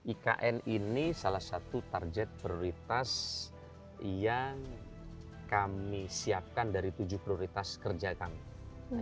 ikn ini salah satu target prioritas yang kami siapkan dari tujuh prioritas kerja kami